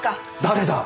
誰だ？